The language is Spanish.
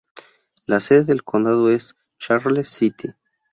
La sede del condado es Charles City.